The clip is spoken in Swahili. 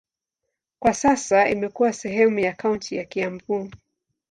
Kwa sasa imekuwa sehemu ya kaunti ya Kiambu.